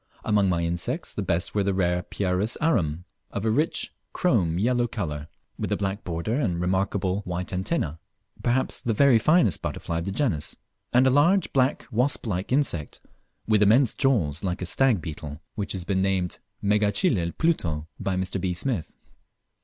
Among my insects the best were the rare Pieris arum, of a rich chrome yellow colour, with a black border and remarkable white antenna perhaps the very finest butterfly of the genus; and a large black wasp like insect, with immense jaws like a stag beetle, which has been named Megachile Pluto by Mr. B. Smith.